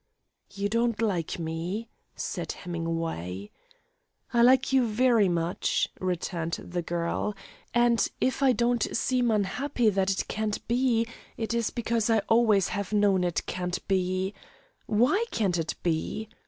"You don't like me?" said Hemingway. "I like you very much," returned the girl, "and, if I don't seem unhappy that it can't be, it is because I always have known it can't be " "Why can't it be?"